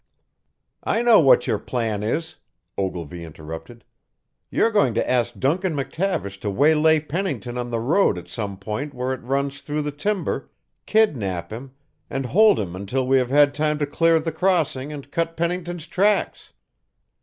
"I know what your plan is," Ogilvy interrupted. "You're going to ask Duncan McTavish to waylay Pennington on the road at some point where it runs through the timber, kidnap him, and hold him until we have had time to clear the crossing and cut Pennington's tracks.